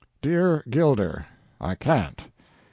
"DEAR GILDER, I can't.